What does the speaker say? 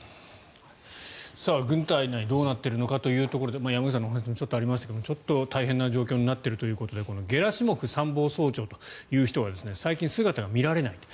軍隊内どうなっているのかというところで山口さんのお話もありましたが大変な状況になっているということでゲラシモフ参謀総長という人が最近姿が見られないと。